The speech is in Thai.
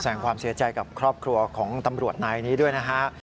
แสดงความเสียใจกับครอบครัวของตำรวจนายนี้ด้วยนะฮะ